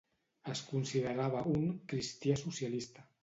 Es considerava un "cristià socialista".